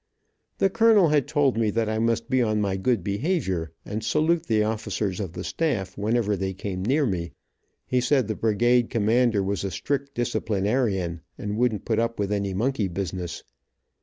The colonel had told me that I must be on my good behavior, and salute the officers of the staff, whenever they came near me. He said the brigade commander was a strict disciplinarian, and wouldn't put up with any monkey business.